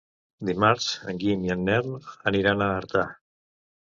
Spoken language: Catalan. Dimarts en Guim i en Nel aniran a Artà.